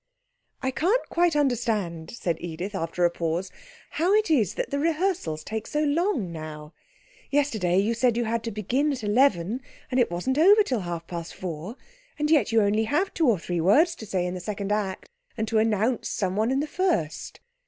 'I can't quite understand,' said Edith, after a pause, 'how it is that the rehearsals take so long now. Yesterday you said you had to begin at eleven and it wasn't over till half past four. And yet you have only two or three words to say in the second act and to announce someone in the first.'